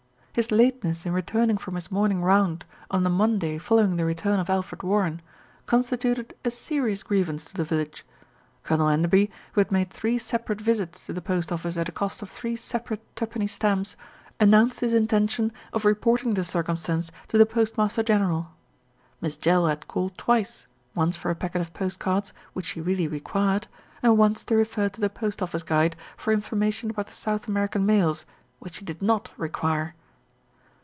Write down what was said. His lateness in returning from his morning round on the Monday following the return of Alfred Warren constituted a serious grievance to the village. Colonel Enderby, who had made three separate visits to the post office at a cost of three separate twopenny stamps, announced his intention of reporting the circumstance to the Postmaster General. Miss Jell had called twice, once for a packet of post cards, which she really re quired and once to refer to the Post Office Guide for information about the South American mails, which she did not require.